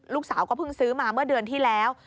ลูกสาวก็เพิ่งซื้อมาเมื่อเดือนที่แล้ว